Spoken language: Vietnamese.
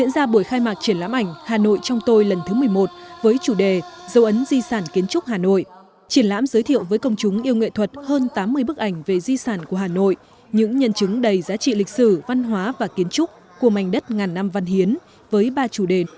di sản của hà nội những nhân chứng đầy giá trị lịch sử văn hóa và kiến trúc của mảnh đất ngàn năm văn hiến với ba chủ đề